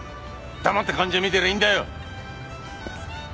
黙って患者を診てりゃいいんだよ！